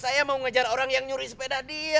saya mau ngejar orang yang nyuruh sepeda dia